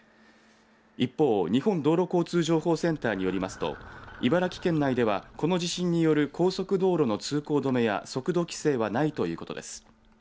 一方、日本道路交通情報センターによりますと茨城県内ではこの地震による高速道路の通行止めや速度規制はないということです。